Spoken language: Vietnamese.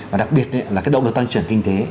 và đặc biệt là cái độ tăng trưởng kinh tế